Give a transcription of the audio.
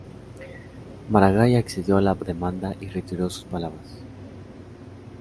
Maragall accedió a la demanda y retiró sus palabras.